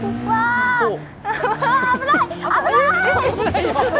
危なーい！